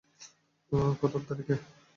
কদক ধারি কে?